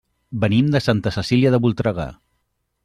Venim de Santa Cecília de Voltregà.